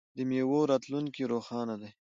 د میوو راتلونکی روښانه دی.